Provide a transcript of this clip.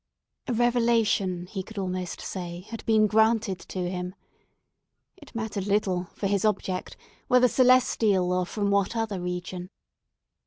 A revelation, he could almost say, had been granted to him. It mattered little for his object, whether celestial or from what other region.